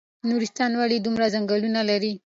نورستان ولې دومره ځنګلونه لري؟